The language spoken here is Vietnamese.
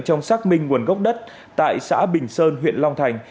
trong xác minh nguồn gốc đất tại xã bình sơn huyện long thành